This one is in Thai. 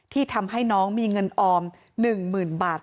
ที่ทำให้น้องมีเงินออม๑๐๐๐บาท